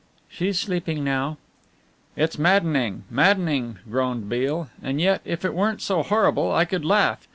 "She's sleeping now." "It's maddening, maddening," groaned Beale, "and yet if it weren't so horrible I could laugh.